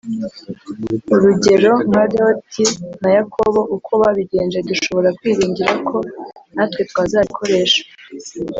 urugero nka Loti na Yakobo uko babigenje Dushobora kwiringira ko natwe twazabikoresha